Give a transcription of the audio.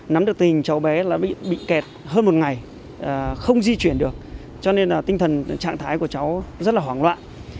nắm được tình cháu bé bị kẹt hơn một ngày không di chuyển được cho nên là tinh thần trạng thái của cháu rất là hoảng loạn